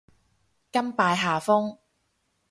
甘拜下風